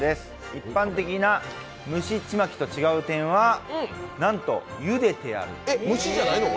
一般的な蒸しちまきと違う点は、なんとゆでてある。